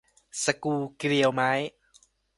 สกรูเกลียวไม้